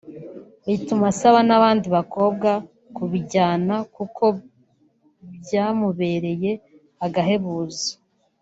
bituma asaba n’abandi bakobwa kubijyamo kuko byamubereye agahebuzo